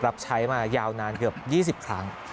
รับใช้มายาวนานเกือบ๒๐ครั้ง